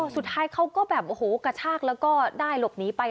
สุดท้ายเขาก็แบบโอ้โหกระชากแล้วก็ได้หลบหนีไป